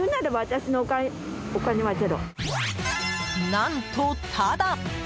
何と、タダ！